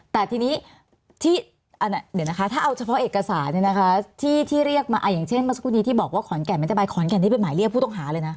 แต่ทีนี้ถ้าเอาเฉพาะเอกสารที่เรียกมาอย่างเช่นเมื่อสักครู่นี้ที่บอกว่าขอนแก่มันจะบายขอนแก่นได้เป็นหมายเรียกผู้ต้องหาเลยนะ